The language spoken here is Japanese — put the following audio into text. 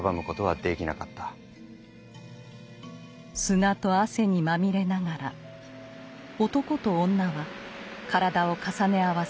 砂と汗にまみれながら男と女は体を重ね合わせます。